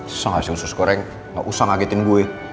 susah gak sih usus goreng gak usah ngagetin gue